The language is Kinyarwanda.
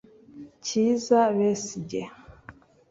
Kiiza Besigye